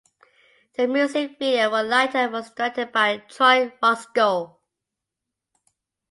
The music video for "Lighter" was directed by Troy Roscoe.